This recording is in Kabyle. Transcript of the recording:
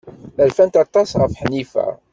Rfant aṭas ɣef Ḥnifa.